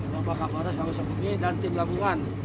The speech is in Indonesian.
bapak kapolres sukabumi dan tim pelabuhan